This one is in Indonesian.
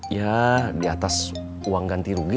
ya di atas uang ganti rugi